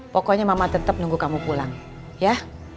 pokoknya mama tetap nunggu kamu pulang ya